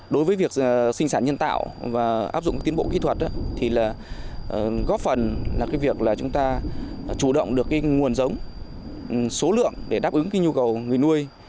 đối với việc sinh sản nhân tạo và áp dụng tiến bộ kỹ thuật thì góp phần là việc chúng ta chủ động được nguồn giống số lượng để đáp ứng nhu cầu người nuôi